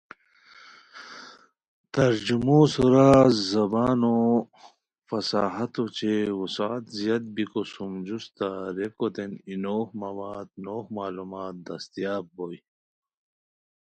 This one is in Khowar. ترجموسورا زبانوفصاہت اوچے وسعت زیاد بیکو سوم جوستہ ریکوتین ای نوغ مواد نوغ معلومات دستیاب بوئے